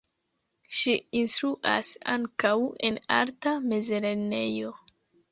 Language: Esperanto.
Ŝi instruas ankaŭ en arta mezlernejo.